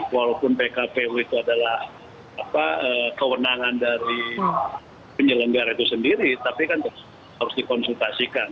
walaupun pkpu itu adalah kewenangan dari penyelenggara itu sendiri tapi kan harus dikonsultasikan